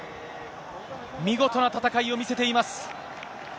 見事な戦いを見せています。